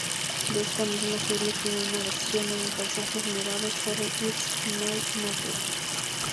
De esta misma serie tiene una versión en paisajes nevados "Sorry it´s my nature.